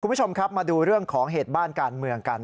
คุณผู้ชมครับมาดูเรื่องของเหตุบ้านการเมืองกัน